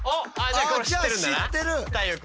じゃあ知ってる！